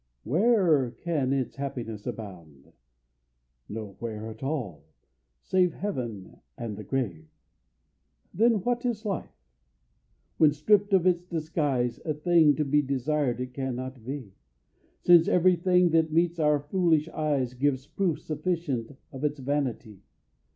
where can its happiness abound? No where at all, save heaven, and the grave. Then what is Life? When stripp'd of its disguise, A thing to be desir'd it cannot be; Since every thing that meets our foolish eyes Gives proof sufficient of its vanity.